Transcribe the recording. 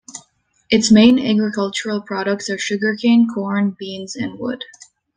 Its main agricultural products are sugar cane, corn, beans, and wood.